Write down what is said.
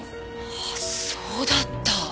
あっそうだった。